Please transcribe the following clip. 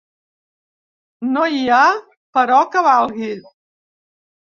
No hi ha però que valgui.